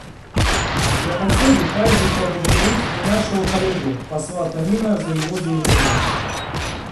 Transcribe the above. Я хотел бы также поблагодарить и нашего коллегу посла Танина за его заявление.